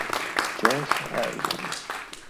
Josh Harding